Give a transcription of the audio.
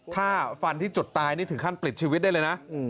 ถ้าฟันที่จุดตายนี่ถึงขั้นปลิดชีวิตได้เลยนะ